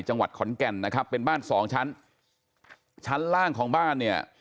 จังหวัดขอนแก่นนะครับเป็นบ้านสองชั้นชั้นล่างของบ้านเนี่ย